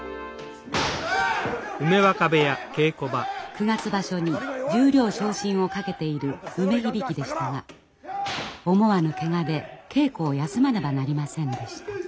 九月場所に十両昇進をかけている梅響でしたが思わぬケガで稽古を休まねばなりませんでした。